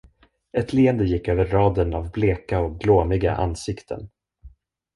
Ett leende gick över raden av bleka och glåmiga ansikten.